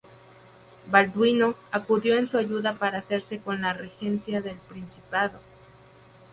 Balduino acudió en su ayuda para hacerse con la regencia del principado.